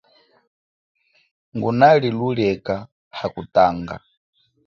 Nguna lilulieka hakutanga.